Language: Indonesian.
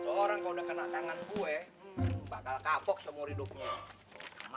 orang kalau udah kena tangan gue bakal kapok semua hidupnya